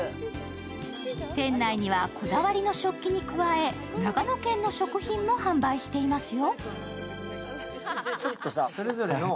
店内にはこだわりの食器に加え、長野県の食品も販売していますよ。